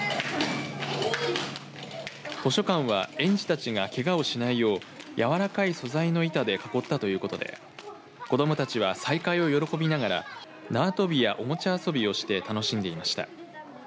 図書館は園児たちがけがをしないようやわらかい素材の板で囲ったということで子どもたちは再会を喜びながら縄跳びやおもちゃ遊びをして楽しんでいました。